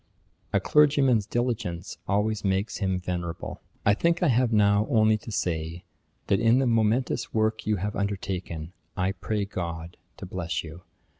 A clergyman's diligence always makes him venerable. I think I have now only to say, that in the momentous work you have undertaken, I pray GOD to bless you.